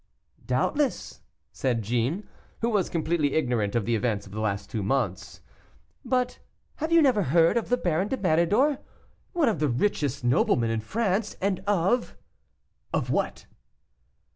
"Doubtless," said Jeanne, who was completely ignorant of the events of the last two months; "but have you never heard of the Baron de Méridor, one of the richest noblemen in France, and of " "Of what?"